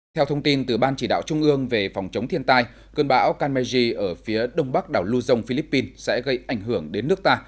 theo thông tin từ ban chỉ đạo trung ương về phòng chống thiên tai cơn bão kanmeji ở phía đông bắc đảo luzon philippines sẽ gây ảnh hưởng đến nước ta